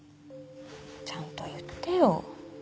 ちゃんと言ってよ